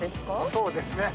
そうですね。